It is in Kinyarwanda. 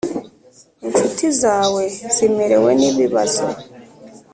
incuti zawe zimerewe n ibibazo